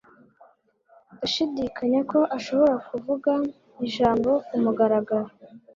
Ndashidikanya ko ashobora kuvuga ijambo kumugaragaro.